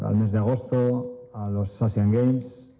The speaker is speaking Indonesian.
pada bulan agustus ke asian games